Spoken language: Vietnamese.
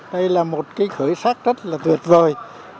đây là một cái khởi sắc rất là tuyệt vời